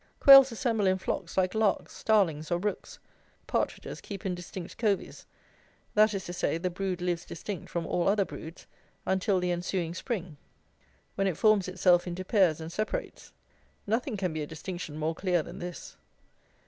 Quails assemble in flocks like larks, starlings, or rooks. Partridges keep in distinct coveys; that is to say, the brood lives distinct from all other broods until the ensuing spring, when it forms itself into pairs and separates. Nothing can be a distinction more clear than this.